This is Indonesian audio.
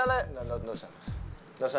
sudah tidak usah